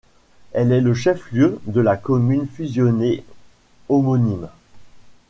Elle est le chef-lieu de la commune fusionnée homonyme.